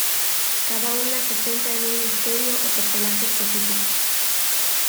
Cada una se centra en un misterio o personaje específico.